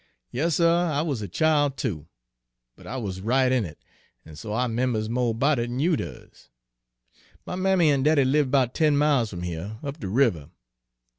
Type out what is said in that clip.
"Yas, suh; I was a chile, too, but I wuz right in it, an' so I 'members mo' erbout it 'n you does. My mammy an' daddy lived 'bout ten miles f'm here, up de river.